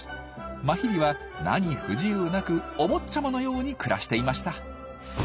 マヒリは何不自由なくお坊ちゃまのように暮らしていました。